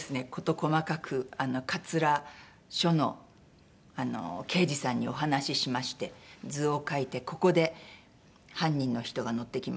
細かく桂署の刑事さんにお話ししまして図を描いて「ここで犯人の人が乗ってきました」。